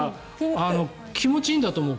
気持ちいいんだと思う。